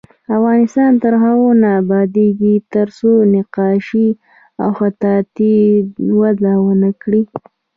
افغانستان تر هغو نه ابادیږي، ترڅو نقاشي او خطاطي وده ونه کړي.